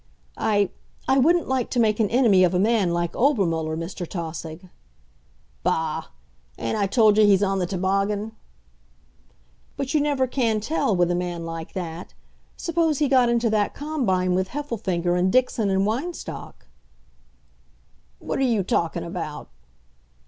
"I I wouldn't like to make an enemy of a man like Obermuller, Mr. Tausig." "Bah! Ain't I told you he's on the toboggan?" "But you never can tell with a man like that. Suppose he got into that combine with Heffelfinger and Dixon and Weinstock?" "What're you talking about?"